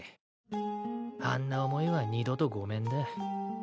あんな思いは二度とごめんだ。